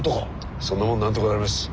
そんなもんなんとかなります。